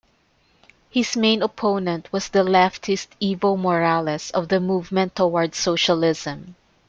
His main opponent was the leftist Evo Morales of the Movement Towards Socialism.